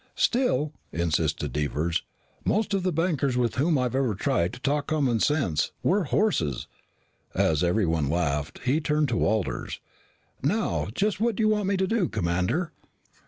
"Still," insisted Devers, "most of the bankers with whom I've ever tried to talk common sense were horses." As everyone laughed, he turned to Walters. "Now, just what do you want me to do, Commander?"